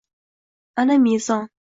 Ana mezon!